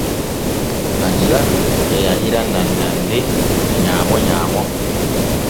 Hajiratu e yahira nannande e nyaamo nyaamo.